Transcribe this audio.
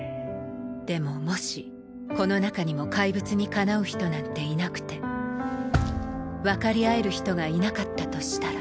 でももしこの中にもかいぶつにかなう人なんていなくてわかり合える人がいなかったとしたら